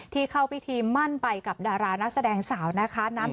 เข้าพิธีมั่นไปกับดารานักแสดงสาวนะคะ